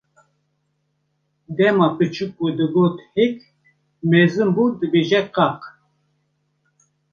Dema biçûk bû digot hêk, mezin bû dibêje qaq.